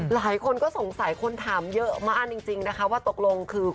หลายคนก็สงสัยคนถามเยอะมากจริงนะคะว่าตกลงคือ